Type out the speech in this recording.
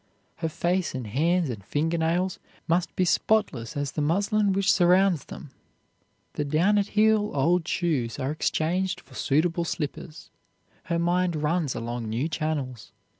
Her face and hands and finger nails must be spotless as the muslin which surrounds them. The down at heel old shoes are exchanged for suitable slippers. Her mind runs along new channels.